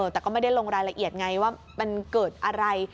แต่ก็ไม่ได้ลงรายละเอียดไงว่ามันเกิดอะไร